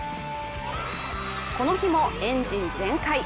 この日もエンジン全開。